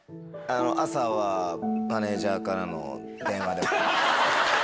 朝はマネージャーからの電話で。